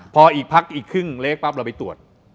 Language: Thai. พออีกพักอีกครึ่งละรวก็เลิกเวลาไปตรวจ